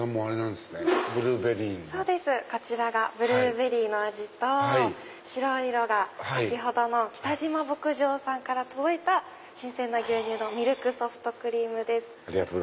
こちらがブルーベリーの味と白色が先ほどの北島牧場さんから届いた新鮮な牛乳のミルクソフトクリームです。